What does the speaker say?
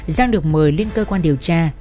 giang được mời lên cơ quan điều tra